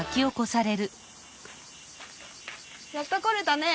やっと来れたね？